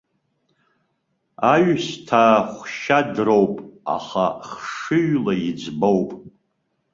Аҩысҭаа хәшьадроуп, аха хшыҩла иӡбоуп.